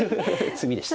詰みでした。